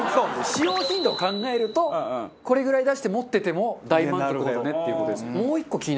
使用頻度を考えるとこれぐらい出して持ってても大満足だよねっていう事です。